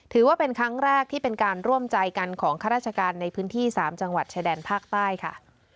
ถือว่าเป็นครั้งแรกที่เป็นการร่วมใจกันของข้าราชการในพื้นที่๓จังหวัดชายแดนภาคใต้ค่ะ